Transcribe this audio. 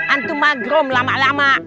antu magrum lama lama